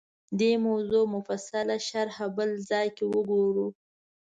دې موضوع مفصله شرحه بل ځای کې وګورو